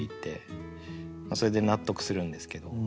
まあそれで納得するんですけど。